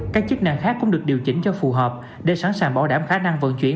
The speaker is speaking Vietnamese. các chức năng khác cũng được điều chỉnh cho phù hợp để sẵn sàng bảo đảm khả năng vận chuyển